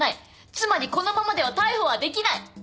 つまりこのままでは逮捕はできない。